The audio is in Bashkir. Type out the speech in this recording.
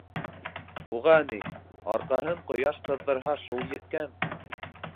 Уға ни, арҡаһын ҡояш ҡыҙҙырһа, шул еткән.